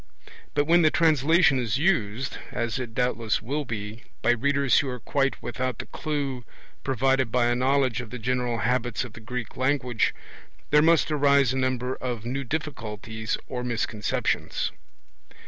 But when the translation is used, as it doubtless will be, by readers who are quite without the clue provided by a knowledge of the general habits of the Greek language, there must arise a number of new difficulties or misconceptions.